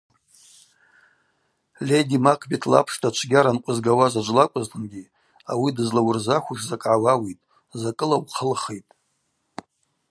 Леди Макбет лапшта чвгьара нкъвызгауа заджв лакӏвызтынгьи ауи дызлауырзахвуш закӏ гӏауауитӏ, закӏыла ухъылхитӏ.